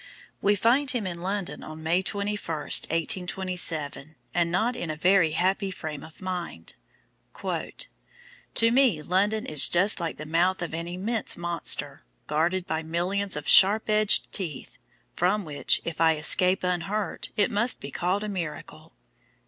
We find him in London on May 21, 1827, and not in a very happy frame of mind: "To me London is just like the mouth of an immense monster, guarded by millions of sharp edged teeth, from which, if I escape unhurt, it must be called a miracle."